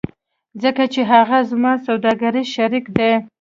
ځکه چې هغه زما سوداګریز شریک دی